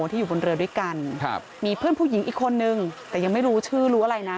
ที่อยู่บนเรือด้วยกันครับมีเพื่อนผู้หญิงอีกคนนึงแต่ยังไม่รู้ชื่อรู้อะไรนะ